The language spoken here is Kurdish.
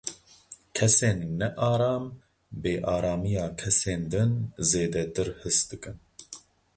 Kesên nearam, bêaramiya kesên din zêdetir his dikin.